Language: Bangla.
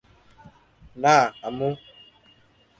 না, আম্মু।